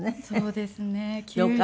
そうですね急に。